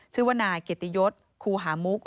ชื่อว่านายเกียรติยศครูหามุก